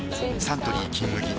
サントリー「金麦」